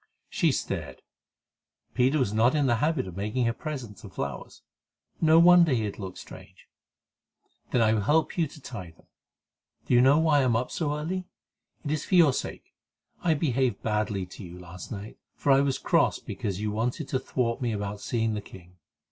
She stared. Peter was not in the habit of making her presents of flowers. No wonder he had looked strange. "Then I will help you to tie them. Do you know why I am up so early? It is for your sake. I behaved badly to you last night, for I was cross because you wanted to thwart me about seeing the king.